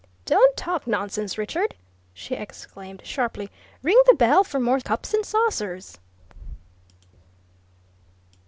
"Don't talk nonsense, Richard!" she exclaimed sharply. "Ring the bell for more cups and saucers!"